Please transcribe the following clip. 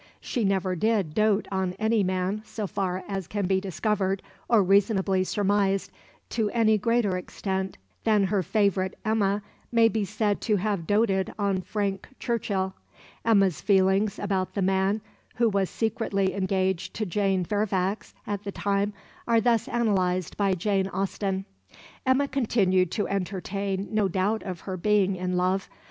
She never did "dote" on any man, so far as can be discovered or reasonably surmised, to any greater extent than her favourite Emma may be said to have "doted" on Frank Churchill. Emma's feelings about the man who was secretly engaged to Jane Fairfax at the time, are thus analyzed by Jane Austen "Emma continued to entertain no doubt of her being in love.